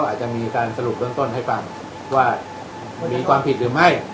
อาจจะมีการสรุปเบื้องต้นให้ฟังว่ามีความผิดหรือไม่